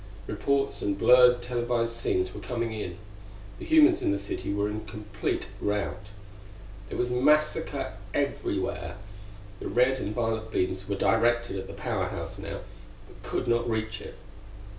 Reports and blurred, televised scenes were coming in. The humans in the city were in complete rout. There was massacre everywhere. The red and violet beams were directed at the Power House now, but could not reach it.